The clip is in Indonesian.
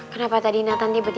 tuhan ibu mau berubah